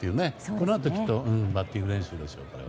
このあとバッティング練習でしょうね。